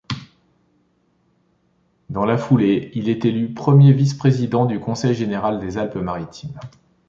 Dans la foulée, il est élu premier vice-président du conseil général des Alpes-Maritimes.